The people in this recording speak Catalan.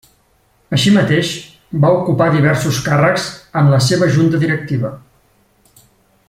Així mateix, va ocupar diversos càrrecs en la seva junta directiva.